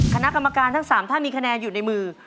คณะกรรมการทั้ง๓ท่านมีคะแนนอยู่ในมือ